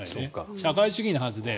社会主義なはずで。